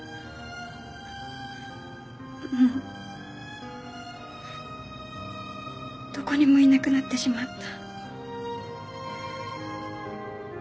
もうどこにもいなくなってしまった